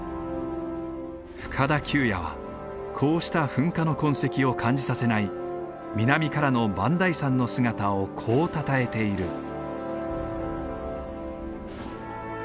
深田久弥はこうした噴火の痕跡を感じさせない南からの磐梯山の姿をこうたたえている。